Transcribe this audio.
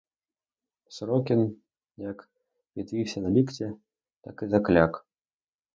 Сорокін як підвівся на лікті, так і закляк.